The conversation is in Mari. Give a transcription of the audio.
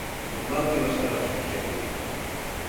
Тудлан келыштараш тыршем.